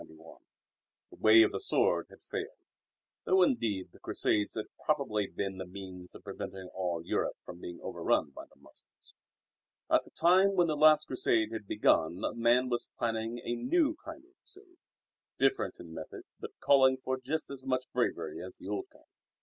The way of the sword had failed, though indeed the Crusades had probably been the means of preventing all Europe from being overrun by the Moslems. At the time when the last Crusade had begun a man was planning a new kind of Crusade, different in method but calling for just as much bravery as the old kind.